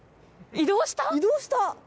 移動した。